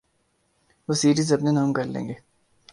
وہ سیریز اپنے نام کر لیں گے۔